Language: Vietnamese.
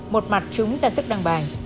một mặt chúng ra sức đăng bài